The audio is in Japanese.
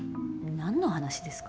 なんの話ですか？